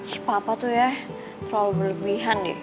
ih papa tuh ya terlalu berlebihan